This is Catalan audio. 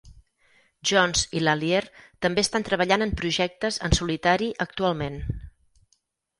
Jones i Lallier també estan treballant en projectes en solitari actualment.